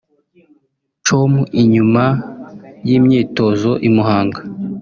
com nyuma y’imyitozo i Muhanga